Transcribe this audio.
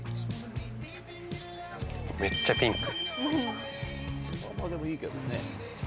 めっちゃピンク。